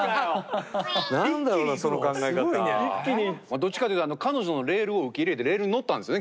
どっちかというと彼女のレールを受け入れてレールに乗ったんですね